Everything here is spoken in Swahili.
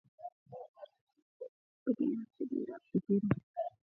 karibu na majangwa na ardhi iliyomomonyoka vumbi linalopigwa na upepo